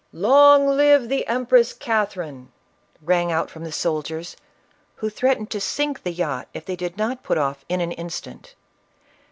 " Long live the Em press Catherine," rang out from the soldiers, who threatened to sink the yacht if they did not put off in CATHERINE OF RUSSIA. 407 an instant.